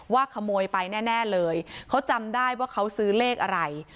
ขโมยไปแน่เลยเขาจำได้ว่าเขาซื้อเลขอะไร